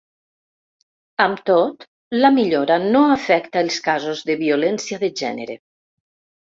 Amb tot, la millora no afecta els casos de violència de gènere.